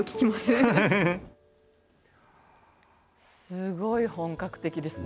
すごい本格的ですね。